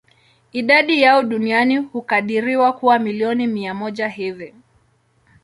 Idadi yao duniani hukadiriwa kuwa milioni mia moja hivi.